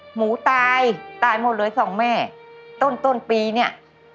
หนูตายตายหมดเลยสองแม่ต้นต้นปีเนี่ย